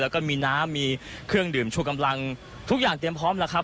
แล้วก็มีน้ำมีเครื่องดื่มชูกำลังทุกอย่างเตรียมพร้อมแล้วครับ